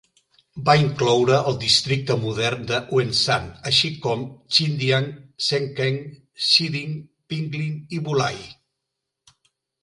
Va incloure el districte modern de Wenshan, així com Xindian, Shenkeng, Shiding, Pinglin i Wulai.